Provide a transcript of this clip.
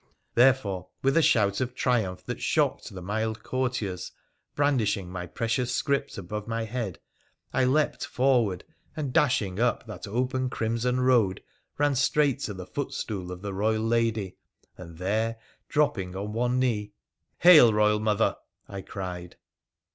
Therefore, with a shout of triumph that shocked the mild courtiers, brandishing my precious script above my head, I leaped forward, and, dashing up that open crimson road, ran straight to the footstool of the Eoyal lady, and there dropping on one knee —• Hail ! Eoyal mother,' I cried.